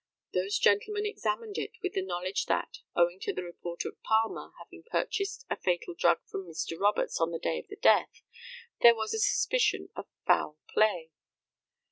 Those gentlemen examined it with the knowledge that, owing to the report of Palmer having purchased a fatal drug from Mr. Roberts on the day of the death, there was a suspicion of foul play.